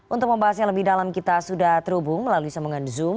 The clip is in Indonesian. untuk membahas yang lebih dalam kita sudah terhubung melalui semuanya di zoom